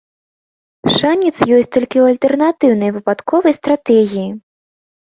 Шанец ёсць толькі ў альтэрнатыўнай выпадковай стратэгіі.